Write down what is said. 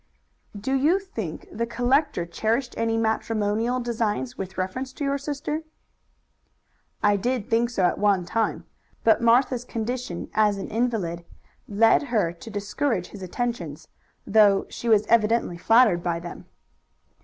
"Do you think the collector cherished any matrimonial designs with reference to your sister?" "I did think so at one time, but Martha's condition as an invalid led her to discourage his attentions, though she was evidently flattered by them."